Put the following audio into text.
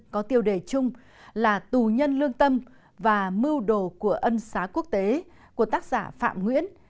có tiêu đề chung là tù nhân lương tâm và mưu đồ của ân xá quốc tế của tác giả phạm nguyễn